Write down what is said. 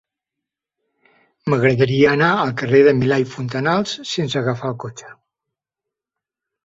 M'agradaria anar al carrer de Milà i Fontanals sense agafar el cotxe.